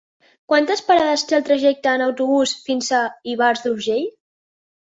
Quantes parades té el trajecte en autobús fins a Ivars d'Urgell?